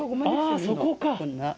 ああ、そこか。